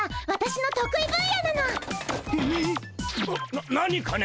な何かね